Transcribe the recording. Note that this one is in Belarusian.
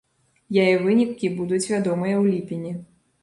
Яе вынікі будуць вядомыя ў ліпені.